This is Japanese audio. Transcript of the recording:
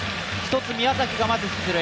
１つ、宮崎が出塁。